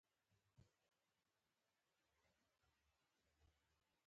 دوی به غلامان د پسونو او غواګانو په څیر پیرل او پلورل.